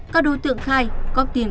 các đối tượng khai có tiền